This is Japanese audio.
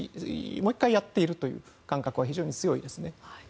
もう１回やっているという感覚は非常に強いですよね。